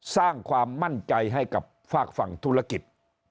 สร้างความมั่นใจให้กับฝากฝั่งธุรกิจ